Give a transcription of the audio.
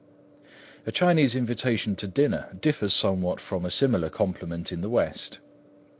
A Chinese invitation to dinner differs somewhat from a similar compliment in the West.